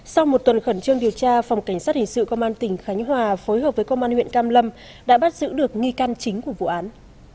sau một tuần khẩn trương điều tra phòng cảnh sát hình sự công an tỉnh khánh hòa phối hợp với công an huyện cam lâm đã bắt giữ được nghi can chính của vụ án